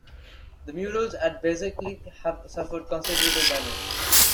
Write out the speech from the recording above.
The murals at Bezeklik have suffered considerable damage.